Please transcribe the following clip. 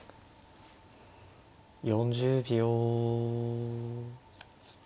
４０秒。